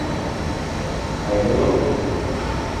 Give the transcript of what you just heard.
Айһылыу